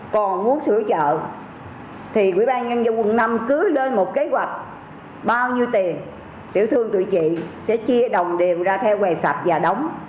còn muốn sửa trợ thì ủy ban nhân dân quận năm cứ lên một kế hoạch bao nhiêu tiền tiểu thương tụi chị sẽ chia đồng điểm ra theo quầy sạch và đóng